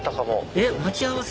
えっ待ち合わせ？